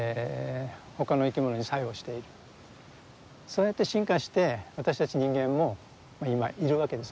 そうやって進化して私たち人間も今いるわけですね。